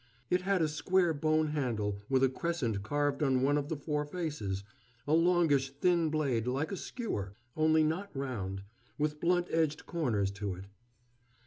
"It had a square bone handle, with a crescent carved on one of the four faces a longish, thin blade, like a skewer, only not round with blunt edged corners to it."